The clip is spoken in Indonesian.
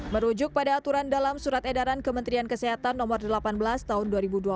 merujuk pada aturan dalam surat edaran kementerian kesehatan nomor delapan belas tahun dua ribu dua puluh